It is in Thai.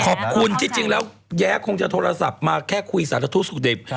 ขอบคุณที่จริงแล้วแย้คงจะโทรศัพท์มาแค่คุยสารทุกข์สุขดิบ